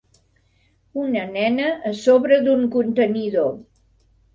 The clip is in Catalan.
Una nena a sobre d'un contenidor.